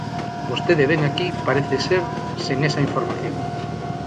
Vostede vén aquí, parece ser, sen esa información.